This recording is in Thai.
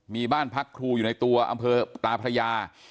มีบ้านพักครูอยู่ในตัวอำเภอตาพระยา